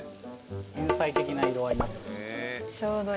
天才的な色合いになってます。